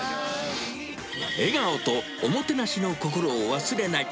笑顔とおもてなしの心を忘れない。